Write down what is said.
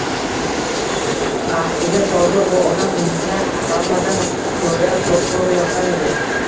Ahdiga sodiq bu odam unga hammadan ko‘ra ko‘proq yoqqan edi.